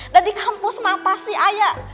nah di kampus mah pasti ayah